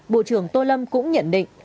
bộ trưởng tô lâm cũng nhận định